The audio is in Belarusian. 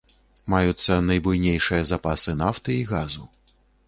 Маюцца найбуйнейшыя запасы нафты і газу.